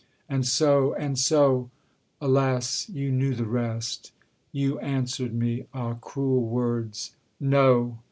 And so and so alas! you knew the rest! You answered me. ... Ah cruel words! No!